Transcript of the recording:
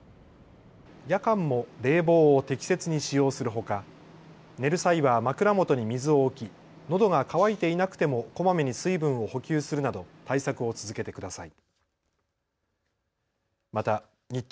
夜間も冷房を適切に使用するほか寝る際は枕元に水を置きのどが渇いていなくてもこまめに水分を補給するなど対策を続けてください。